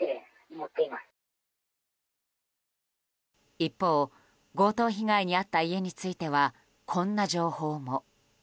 一方、強盗被害に遭った家については、こんな情報も。